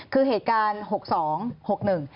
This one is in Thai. คือเหตุการณ์๖๒๖๑